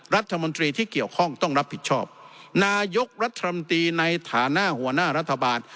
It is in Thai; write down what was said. รัฐมนตรีที่เกี่ยวข้องต้องรับผิดชอบนายกรัฐมนตรีในฐานะหัวหน้ารัฐบาล